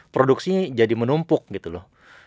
produksi jadi menumpuk gitu loh